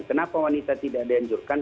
kenapa wanita tidak dianjurkan